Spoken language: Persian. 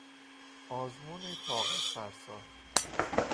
آزمونی طاقت فرسا